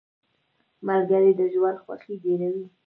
ملګری د ژوند خوښي ډېروي.